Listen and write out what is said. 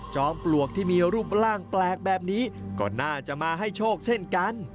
ปลวกที่มีรูปร่างแปลกแบบนี้ก็น่าจะมาให้โชคเช่นกัน